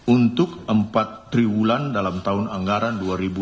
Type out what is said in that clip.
untuk empat triwulan dalam tahun anggaran dua ribu dua puluh